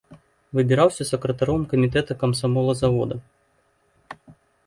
Выбіраўся сакратаром камітэта камсамола завода.